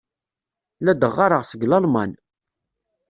La d-ɣɣareɣ seg Lalman.